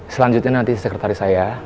selanjutnya nanti sekretari saya